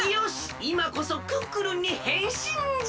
いまこそクックルンにへんしんじゃ。